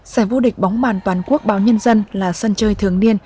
giải vô địch bóng bàn toàn quốc báo nhân dân là sân chơi thường niên